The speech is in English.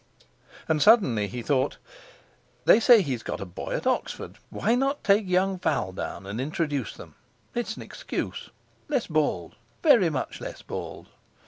H'm! And suddenly he thought: "They say he's got a boy at Oxford! Why not take young Val down and introduce them! It's an excuse! Less bald—very much less bald!"